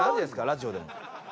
ラジオでも。